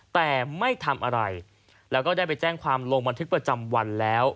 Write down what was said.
แต่ไม่ทำอะไรแล้วก็ได้ไปแจ้งความลงบันทึกประจำวันแล้ว